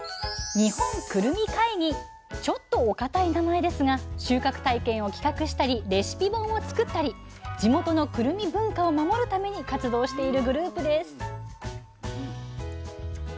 ちょっとお堅い名前ですが収穫体験を企画したりレシピ本を作ったり地元のくるみ文化を守るために活動しているグループです